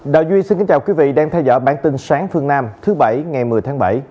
đào duy xin kính chào quý vị đang theo dõi bản tin sáng phương nam thứ bảy ngày một mươi tháng bảy